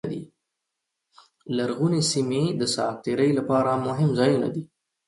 لرغونې سیمې د ساعت تېرۍ لپاره مهم ځایونه دي.